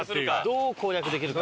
どう攻略できるか。